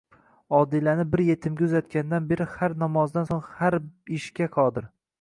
Odilani bir yetimga uzatgandan beri har namozdan so'ng har ishga qodir